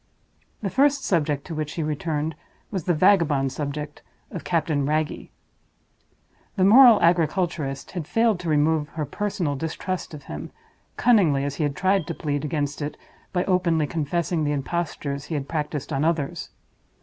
The first subject to which she returned was the vagabond subject of Captain Wragge. The "moral agriculturist" had failed to remove her personal distrust of him, cunningly as he had tried to plead against it by openly confessing the impostures that he had practiced on others.